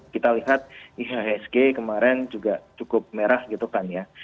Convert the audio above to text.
kita lihat ihsg kemarin juga cukup merah gitu kan ya